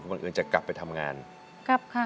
บังเอิญจะกลับไปทำงานกลับค่ะ